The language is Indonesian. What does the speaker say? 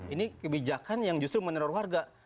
ini kebijakan yang justru meneror warga